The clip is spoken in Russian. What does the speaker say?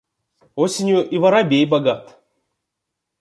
Осенью и воробей богат.